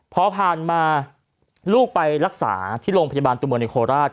พอผ่านมาลูกไปรักษาที่โรงพยาบาลตัวเมืองในโคราช